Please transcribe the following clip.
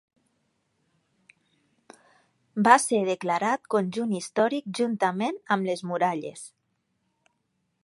Va ser declarat Conjunt històric juntament amb les muralles.